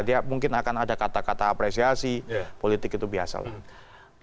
dia mungkin akan ada kata kata apresiasi politik itu biasa lah